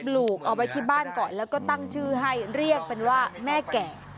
ลูกเอาไว้ที่บ้านก่อนแล้วก็ตั้งชื่อให้เรียกเป็นว่าแม่แก่